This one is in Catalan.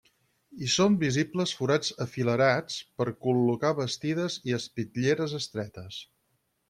Hi són visibles forats afilerats, per col·locar bastides, i espitlleres estretes.